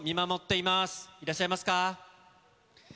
いらっしゃいますか？